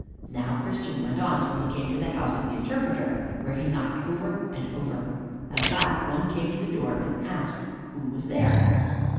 Now Christian went on till he came to the house of the Interpreter, where he knocked over and over. At last one came to the door and asked who was there.